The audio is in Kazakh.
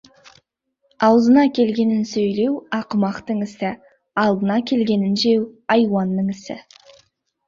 Аузына келгенін сөйлеу — ақымақтың ісі, алдына келгенін жеу — айуанның ісі.